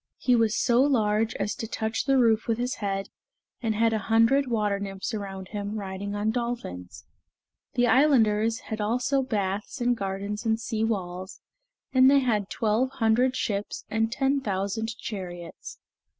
He was so large as to touch the roof with his head, and had a hundred water nymphs around him, riding on dolphins. The islanders had also baths and gardens and sea walls, and they had twelve hundred ships and ten thousand chariots.